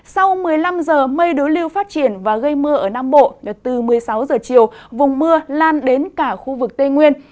sau một mươi năm giờ mây đối lưu phát triển và gây mưa ở nam bộ từ một mươi sáu giờ chiều vùng mưa lan đến cả khu vực tây nguyên